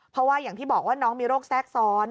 เพราะว่าอย่างที่บอกว่าน้องมีโรคแทรกซ้อน